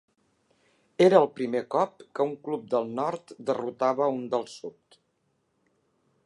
Era el primer cop que un club del nord derrotava a un del sud.